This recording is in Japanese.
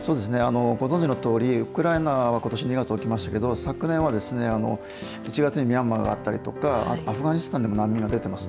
ご存じのとおり、ウクライナはことし２月に起きましたけど、昨年は１月にミャンマーがあったりとか、アフガニスタンでも難民が出ています。